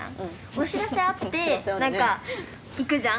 お知らせあって何か行くじゃん。